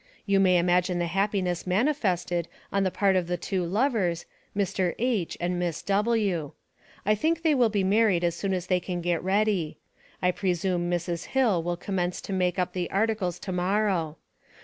You may imagine the happiness manifested on the part of the two lovers, Mr. H. and Miss W. I think they will be married as soon as they can get ready. I presume Mrs. Hill will commence to make up the articles to morrow.